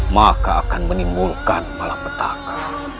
maka akan menimbulkan malapetaka